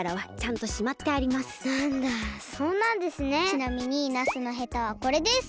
ちなみにナスのヘタはこれです。